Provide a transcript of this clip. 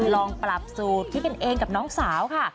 ลองปรับสูตรคิดกันเองกับน้องสาวค่ะ